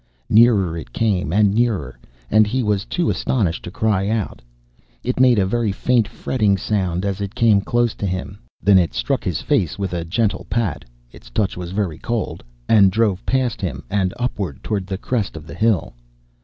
Nearer it came, and nearer, and he was too astonished to cry out. It made a very faint fretting sound as it came close to him. Then it struck his face with a gentle pat its touch was very cold and drove past him, and upward towards the crest of the hill.